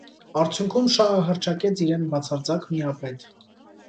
Արդյունքում շահը հռչակեց իրեն բացարձակ միապետ։